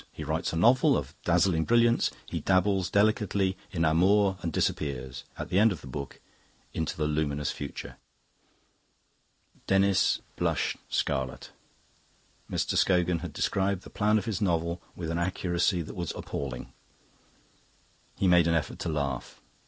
He writes a novel of dazzling brilliance; he dabbles delicately in Amour and disappears, at the end of the book, into the luminous Future." Denis blushed scarlet. Mr. Scogan had described the plan of his novel with an accuracy that was appalling. He made an effort to laugh.